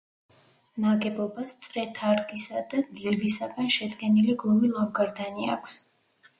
ნაგებობას წრეთარგისა და ლილვისაგან შედგენილი გლუვი ლავგარდანი აქვს.